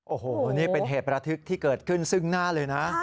โอ้โหนี่เป็นเหตุประทึกที่เกิดขึ้นซึ่งหน้าเลยนะ